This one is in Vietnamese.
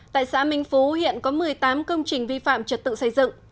tại xã minh phú hiện có một mươi tám công trình vi phạm trật tự xây dựng